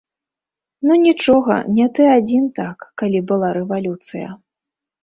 Ну нічога, не ты адзін так, калі была рэвалюцыя.